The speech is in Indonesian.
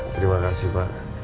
terima kasih pak